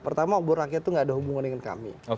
pertama obor rakyat itu gak ada hubungan dengan kami